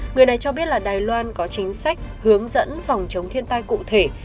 người này cho biết là đài loan có chính sách hướng dẫn phòng chống thiên tai cụ thể